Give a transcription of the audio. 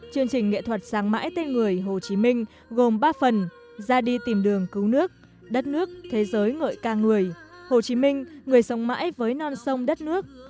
chương trình nghệ thuật sáng mãi tên người hồ chí minh gồm ba phần ra đi tìm đường cứu nước đất nước thế giới ngợi ca người hồ chí minh người sống mãi với non sông đất nước